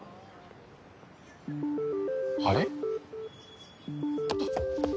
あれ？